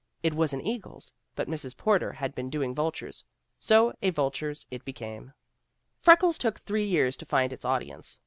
It was an eagle's, but Mrs. Porter had been doing vultures, so a vulture's it became. Freckles took three years to find its audience.